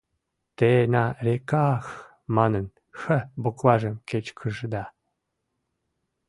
— Те «на реках-х» манын, «х» букважым кечкыжыда.